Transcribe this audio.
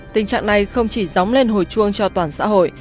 tình trạng này không chỉ dóng lên hồi chuông cho toàn xã hội